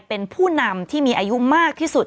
เป็นผู้นำที่มีอายุมากที่สุด